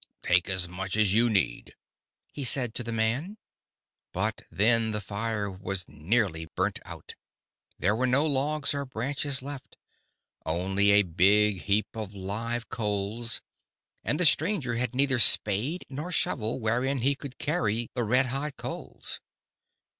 "'Take as much as you need!' he said to the man. "But then the fire was nearly burnt out. There were no logs or branches left, only a big heap of live coals; and the stranger had neither spade nor shovel, wherein he could carry the red hot coals.